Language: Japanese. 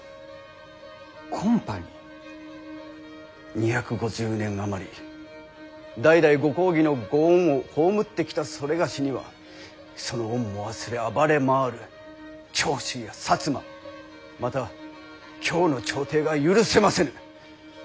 ２５０年余り代々ご公儀のご恩を蒙ってきた某にはその恩も忘れ暴れ回る長州や摩また京の朝廷が許せませぬ。